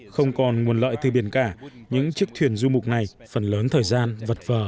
không còn nguồn lợi từ biển cả những chiếc thuyền du mục này phần lớn thời gian vật vờ